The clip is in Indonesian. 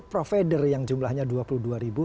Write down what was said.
provider yang jumlahnya dua puluh dua ribu